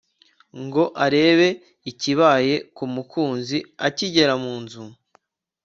ngo arebe ikibaye kumukunzi akigera munzu